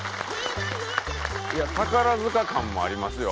宝塚感もありますよ。